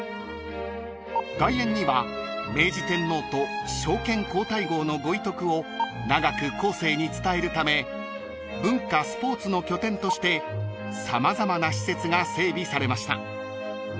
［外苑には明治天皇と昭憲皇太后のご遺徳を永く後世に伝えるため文化・スポーツの拠点として様々な施設が整備されました］